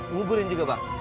nguburin juga bang